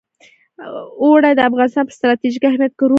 اوړي د افغانستان په ستراتیژیک اهمیت کې رول لري.